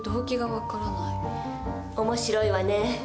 面白いわねえ。